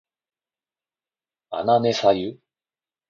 あなねさゆ